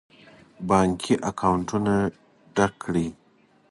بانکي اکاونټونه ډک کړي.